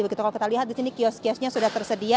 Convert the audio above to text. begitu kalau kita lihat di sini kios kiosnya sudah tersedia